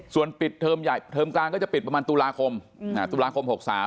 ส่วนปิดเทอมใหญ่เทอมกลางก็จะปิดประมาณตุลาคม๖๓